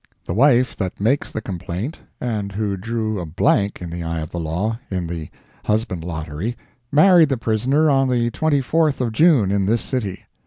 The wife that makes the complaint, and who drew a blank, in the eye of the law, in the husband lottery, married the prisoner on the 24th of June, in this city.